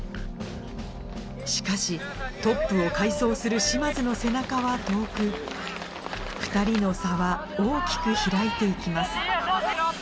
しかしトップを快走する嶋津の背中は遠く２人の差は大きく開いて行きます